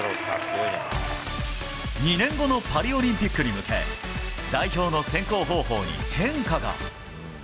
２年後のパリオリンピックに向け、代表の選考方法に変化が。